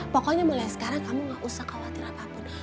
pokoknya mulai sekarang kamu gak usah khawatir apapun